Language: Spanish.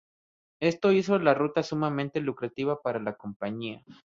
Esto hizo la ruta sumamente lucrativa para la compañía.